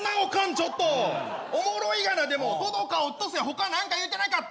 ちょっとおもろいがなでもトドかオットセイほか何か言うてなかった？